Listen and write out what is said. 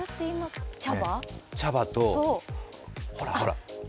茶葉と、ほらほら。